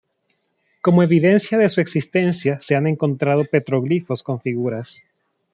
Como evidencia de su existencia se han encontrado petroglifos con figuras.